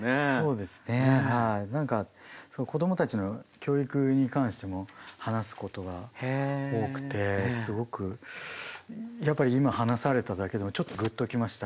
なんか子どもたちの教育に関しても話すことが多くてすごくやっぱり今話されただけでもちょっとグッときました